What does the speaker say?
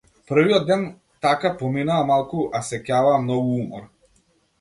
Првиот ден, така, поминаа малку, а сеќаваа многу умор.